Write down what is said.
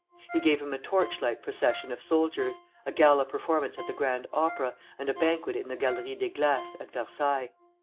He gave him a torch light procession of soldiers, a gala performance at the Grand Opera, and a banquet in the Galerie des Glaces at Versailles.